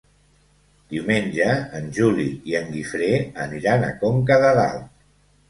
Diumenge en Juli i en Guifré aniran a Conca de Dalt.